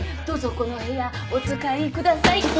どうぞこの部屋お使いクダサイ。